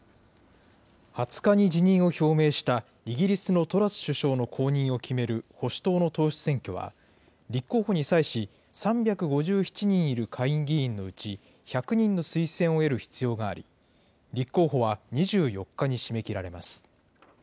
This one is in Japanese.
２０日に辞任を表明した、イギリスのトラス首相の後任を決める保守党の党首選挙は、立候補に際し、３５７人いる下院議員のうち、１００人の推薦を得る必要があり、立候補は２４日に締め切られます。